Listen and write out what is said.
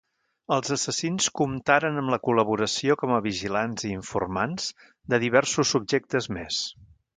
Els assassins comptaren amb la col·laboració com a vigilants i informants de diversos subjectes més.